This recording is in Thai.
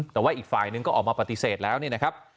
แต่ว่าอีกฝ่ายนึงก็ออกมาปฏิเสธแล้วเนี่ยนะครับ